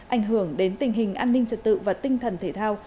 ảnh hưởng đến tình hình an ninh trật tự và tinh thần thể thao